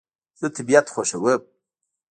زه طبیعت خوښوم